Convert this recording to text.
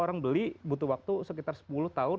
orang beli butuh waktu sekitar sepuluh tahun